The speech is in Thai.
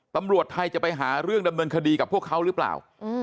ตำรวจไทยจะไปหาเรื่องดำเนินคดีกับพวกเขาหรือเปล่า